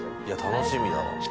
いや楽しみだわ。